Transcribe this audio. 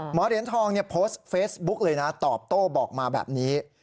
เหรียญทองโพสต์เฟซบุ๊กเลยนะตอบโต้บอกมาแบบนี้